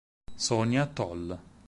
Sonja Tol